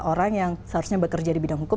orang yang seharusnya bekerja di bidang hukum